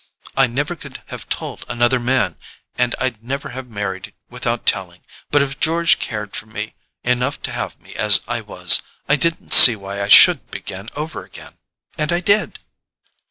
I never could have told another man, and I'd never have married without telling; but if George cared for me enough to have me as I was, I didn't see why I shouldn't begin over again—and I did."